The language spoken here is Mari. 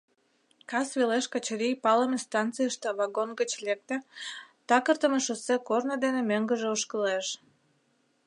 Кас велеш Качырий палыме станцийыште вагон гыч лекте, такыртыме шоссе корно дене мӧҥгыжӧ ошкылеш.